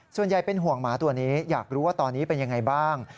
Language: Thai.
ส่วนใหญ่เป็นห่วงหมาตัวนี้อยากรู้ว่าตอนนี้เป็นยังไงบ้าง